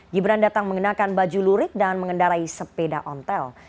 gibran datang mengenakan baju lurik dan mengendarai sepeda ontel